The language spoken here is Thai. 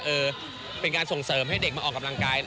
เป็นการส่งเสริมให้เด็กมาออกกำลังกาย